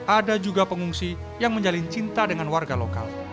ada juga pengungsi yang menjalin cinta dengan warga lokal